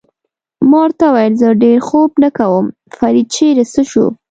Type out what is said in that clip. ما ورته وویل: زه ډېر خوب نه کوم، فرید چېرې څه شو؟